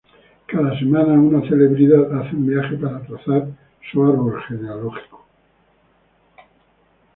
Cada semana una celebridad hace un viaje para trazar su árbol genealógico.